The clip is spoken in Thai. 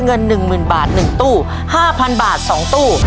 เงิน๑๐๐๐บาท๑ตู้๕๐๐บาท๒ตู้